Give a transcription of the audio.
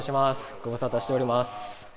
ご無沙汰しております。